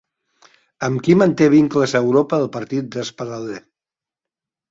Amb qui manté vincles a Europa el partit d'Espadaler?